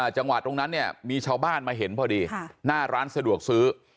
จังหวะตรงนั้นเนี่ยมีชาวบ้านมาเห็นพอดีหน้าร้านสะดวกซื้อ